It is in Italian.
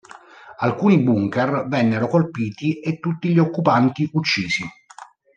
Alcuni bunker vennero colpiti e tutti gli occupanti uccisi.